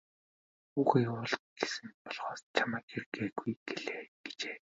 Хүүгээ явуул гэсэн болохоос чамайг ир гээгүй гэжээ.